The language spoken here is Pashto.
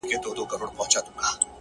ستا د سترگو په بڼو کي را ايسار دي _